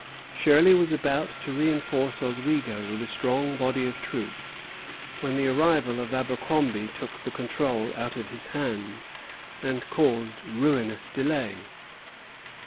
Shirley was about to reinforce Oswego with a strong body of troops when the arrival of Abercromby took the control out of his hands and caused ruinous delay.